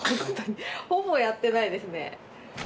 ほぼやってないですね。